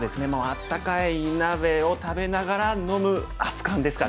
温かい鍋を食べながら飲む熱かんですかね。